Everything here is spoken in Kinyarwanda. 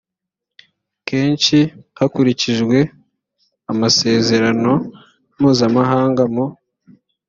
kenshi hakurikijwe amasezerano mpuzamahanga mu